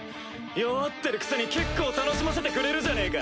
弱ってるくせに結構楽しませてくれるじゃねえか！